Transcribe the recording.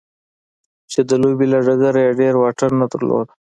چې د لوبې له ډګره يې ډېر واټن نه درلود.